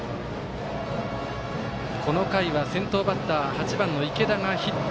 この回は、先頭バッター８番の池田がヒット。